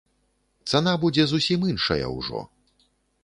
Цана будзе зусім іншая ўжо.